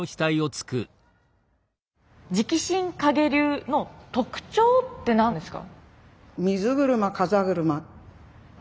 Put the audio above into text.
直心影流の特徴って何ですか？